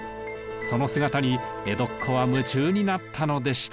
その姿に江戸っ子は夢中になったのでした。